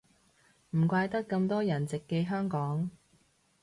唔怪得咁多人直寄香港